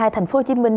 thành phố hồ chí minh